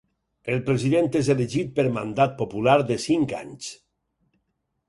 El president és elegit per mandat popular de cinc anys.